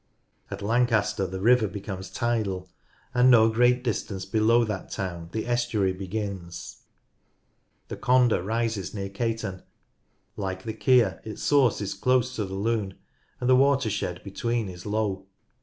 At Lancaster the river becomes tidal, and no great distance below that town the estuary begins. RIVERS 55 The Condor rises near Caton. Like the Keer its source is close to the Lune, and the watershed between is low.